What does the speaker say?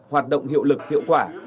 hoạt động hiệu lực hiệu quả